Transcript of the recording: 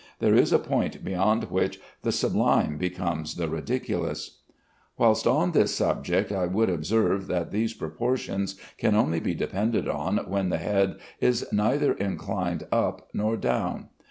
There is a point beyond which the sublime becomes the ridiculous. Whilst on this subject, I would observe that these proportions can only be depended on when the head is neither inclined up nor down.